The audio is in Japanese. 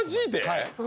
はい。